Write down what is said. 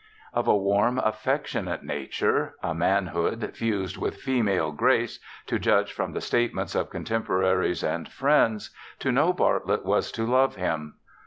Of a warm, affectionate nature— a manhood fused with female grace — to judge from the statements of contemporaries and friends, to know Bartlett was to love him.